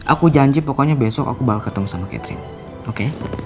aku janji pokoknya besok aku bakal ketemu sama catherine oke